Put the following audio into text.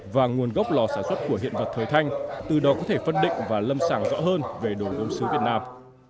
và nguồn gốc lò sản xuất của hiện vật thời thanh từ đó có thể phân định và lâm sàng rõ hơn về đồ gốm xứ việt nam